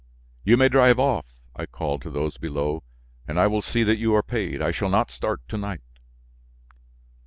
"You may drive off," I called to those below, "and I will see that you are paid. I shall not start to night."